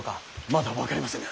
まだ分かりませぬ。